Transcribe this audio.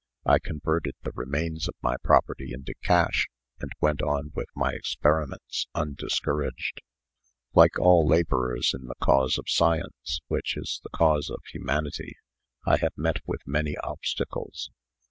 I converted the remains of my property into cash, and went on with my experiments, undiscouraged. Like all laborers in the cause of science which is the cause of humanity I have met with many obstacles.